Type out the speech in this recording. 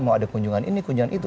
mau ada kunjungan ini kunjungan itu